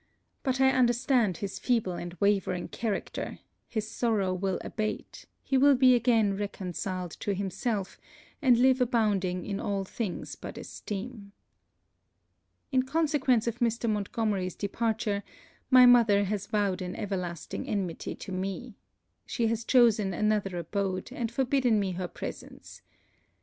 But I understand his feeble and wavering character; his sorrow will abate; he will be again reconciled to himself, and live abounding in all things but esteem. In consequence of Mr. Montgomery's departure, my mother has vowed an everlasting enmity to me. She has chosen another abode, and forbidden me her presence.